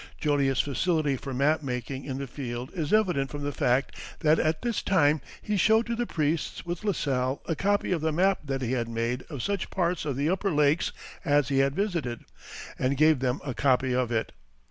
Joliet's facility for map making in the field is evident from the fact that at this time he showed to the priests with La Salle a copy of the map that he had made of such parts of the upper lakes as he had visited, and gave them a copy of it.